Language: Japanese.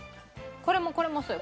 これもこれもそうよ。